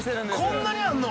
◆こんなにあんの！？